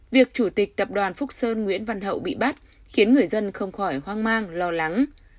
việc chủ tịch tập đoàn phúc sơn nguyễn văn hậu bị bắt khiến người dân không khỏi hoang mang lo lắng